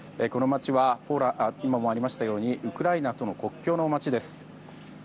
この街は今ありましたようにウクライナとの国境の街です。